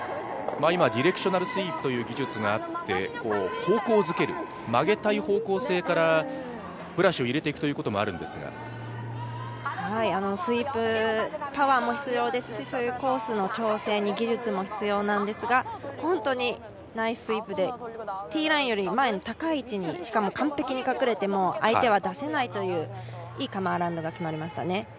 今、ディレクショナルスイープという技術があって方向づける、曲げたい方向性からブラシを入れていくということもあるんですがスイープ、パワーも必要ですし、そういうコースの調整に技術も必要なんですが、本当にナイススイープで、ティーラインよりも前の高い位置にしかも完璧に隠れて相手は出せないといういいカム・アラウンドが決まりましたね。